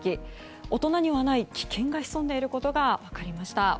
大人にはない危険が潜んでいることが分かりました。